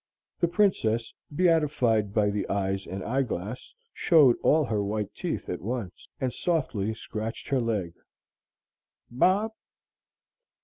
The Princess, beatified by the eyes and eyeglass, showed all her white teeth at once, and softly scratched her leg. "Bob?"